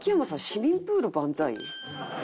『市民プール万歳』？